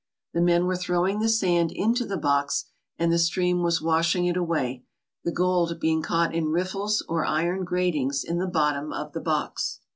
The men were throwing the sand into the box and the stream was washing it away, the gold being caught in rifflies or iron gratings in the bottom of the box.